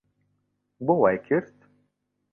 بۆ وای کرد؟